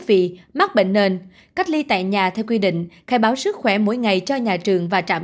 vị mắc bệnh nền cách ly tại nhà theo quy định khai báo sức khỏe mỗi ngày cho nhà trường và trạm